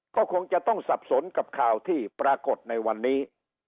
ก็คงจะต้องสับสนกับข่าวที่ปรากฏในวันนี้